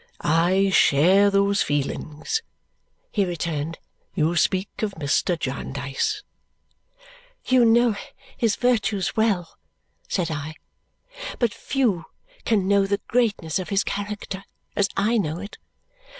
"I share those feelings," he returned. "You speak of Mr. Jarndyce." "You know his virtues well," said I, "but few can know the greatness of his character as I know it.